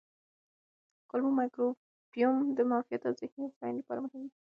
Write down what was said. کولمو مایکروبیوم د معافیت او ذهني هوساینې لپاره مهم دی.